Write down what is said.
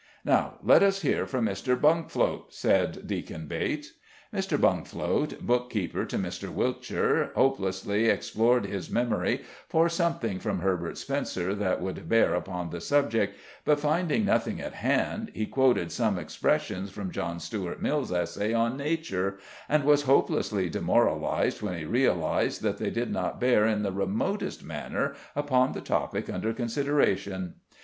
"Now let us hear from Mr. Bungfloat," said Deacon Bates. Mr. Bungfloat, bookkeeper to Mr. Whilcher, hopelessly explored his memory for something from Herbert Spencer that would bear upon the subject, but finding nothing at hand, he quoted some expressions from John Stuart Mill's essay on "Nature," and was hopelessly demoralized when he realized that they did not bear in the remotest manner upon the topic under consideration.